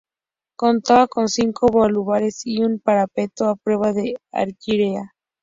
Contaba con cinco baluartes y un parapeto a prueba de artillería.